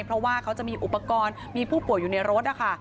เพราะว่าเขาจะมีอุปกรณ์มีผู้ป่วยอยู่ในรถนะคะ